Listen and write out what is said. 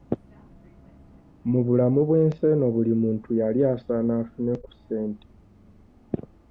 Mu bulamu bw'ensi eno buli muntu yali asaana afune ku ssente.